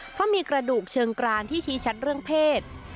เพราะมีกระดูกเชิงกรานที่ชี้ชัดเรื่องเพศ